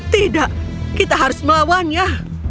tidak kita harus melawannya